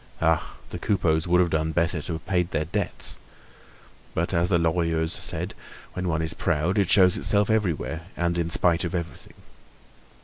Ah! the Coupeaus would have done better to have paid their debts. But as the Lorilleuxs said, when one is proud it shows itself everywhere and in spite of everything.